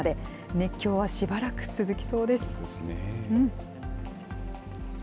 熱狂はしばらく続きそうです。